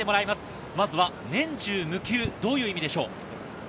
まずは、「年中夢求」、どういう意味でしょう？